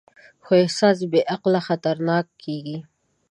خو احساس بېعقله خطرناک کېږي.